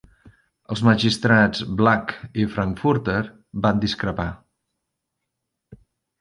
Els magistrats Black i Frankfurter van discrepar.